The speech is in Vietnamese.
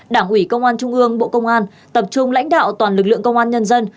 đảng ủy công an trung ương bộ công an tập trung lãnh đạo toàn lực lượng công an nhân dân